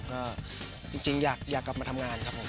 ก็จริงอยากกลับมาทำงานครับผม